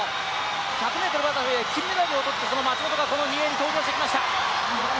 １００ｍバタフライ、金メダルをとってこのフリーリレーに登場してきました。